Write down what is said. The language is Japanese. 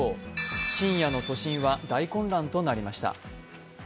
深夜の都心は大混乱となりました。